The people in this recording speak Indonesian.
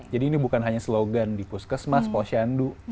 jadi ini bukan hanya slogan di puskesmas posyandu